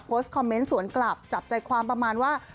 คอมเมนต์สวนกลับจับใจความประมาณว่า